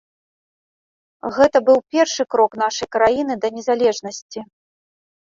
Гэта быў першы крок нашай краіны да незалежнасці.